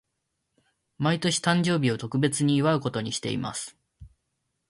毎年、誕生日を特別に祝うことにしています。